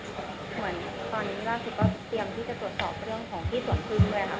ครับเพราะว่าเหมือนตอนนี้ราชีพก็เตรียมที่จะตรวจสอบเรื่องของที่ส่วนคลืมด้วยครับ